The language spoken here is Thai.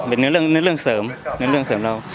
เป็นในเรื่องเสริมในเรื่องเสริมเรา